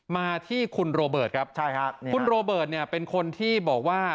มาที่คุณโรเบิร์ตครับใช่ครับคุณโรเบิร์ตเนี่ยเป็นคนที่บอกว่า